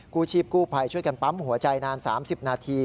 กู้ชีพกู้ภัยช่วยกันปั๊มหัวใจนาน๓๐นาที